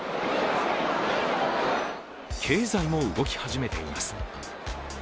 経済も動き始めています。